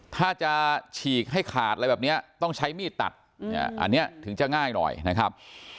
ถ้าจะฉีกให้ขาดอะไรแบบนี้ต้องใช้มีดตัดอันนี้ถึงจะง่ายหน่อยนะครับ